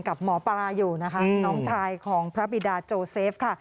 กับหมอปลาอยู่นะคะน้องชายของพระบิดาโจเซฟค่ะ